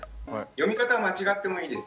読み方を間違ってもいいです。